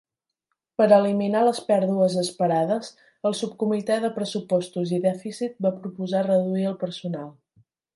Per eliminar les pèrdues esperades, el subcomitè de pressupostos i dèficit va proposar reduir el personal.